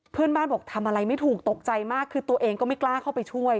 เพื่อนบ้านบอกทำอะไรไม่ถูกตกใจมากคือตัวเองก็ไม่กล้าเข้าไปช่วย